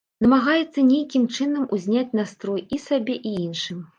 Намагаецца нейкім чынам узняць настрой і сабе, і іншым.